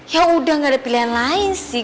ya udah gak ada pilihan lain sih